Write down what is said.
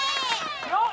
よっ！